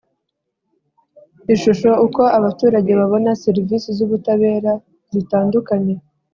Ishusho uko abaturage babona serivisi z ubutabera zitandukanye